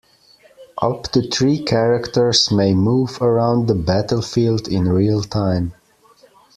Up to three characters may move around the battlefield in real time.